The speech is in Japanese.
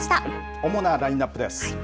主なラインアップです。